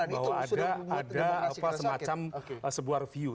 saya sepakat bahwa ada semacam sebuah view